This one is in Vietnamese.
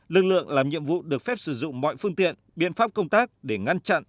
lực lượng làm nhiệm vụ được phép sử dụng mọi phương tiện biện pháp công tác để ngăn chặn